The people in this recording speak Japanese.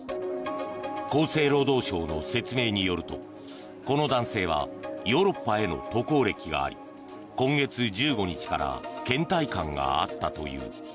厚生労働省の説明によるとこの男性はヨーロッパへの渡航歴があり今月１５日からけん怠感があったという。